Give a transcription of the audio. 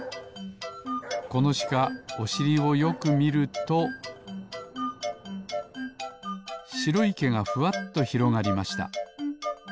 このしかおしりをよくみるとしろいけがふわっとひろがりました。